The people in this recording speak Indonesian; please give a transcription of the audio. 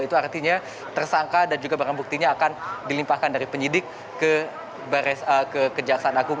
itu artinya tersangka dan juga barang buktinya akan dilimpahkan dari penyidik ke kejaksaan agung